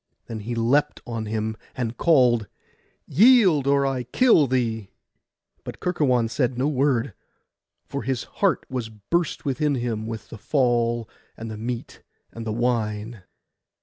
Then he leapt on him, and called, 'Yield, or I kill thee!' but Kerkuon said no word; for his heart was burst within him with the fall, and the meat, and the wine.